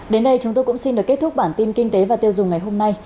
đến đây chúng tôi cũng xin được kết thúc bản tin kinh tế và tiêu dùng ngày hôm nay